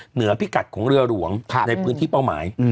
พิกัดของเรือหลวงในพื้นที่เป้าหมาย